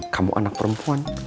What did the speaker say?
kamu anak perempuan